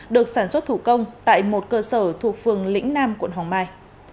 được sản xuất thủ công tại một cơ sở thuộc phường lĩnh nam quận hoàng mai